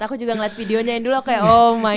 aku juga ngeliat videonya dulu kayak oh my god